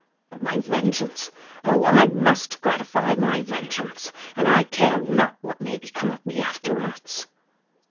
But my vengeance—Oh! I must gratify my vengeance;—and I care not what may become of me afterwards!"